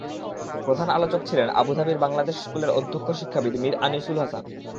প্রধান আলোচক ছিলেন আবুধাবির বাংলাদেশ স্কুলের অধ্যক্ষ শিক্ষাবিদ মীর আনিসুল হাসান।